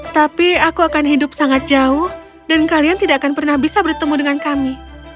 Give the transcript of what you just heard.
tapi aku akan hidup sangat jauh dan kalian tidak akan pernah bisa bertemu dengan kami